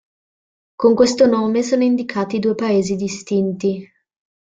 Con questo nome sono indicati due paesi distinti.